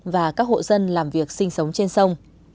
và các hộ dân làm việc sinh sống trên sông